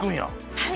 はい。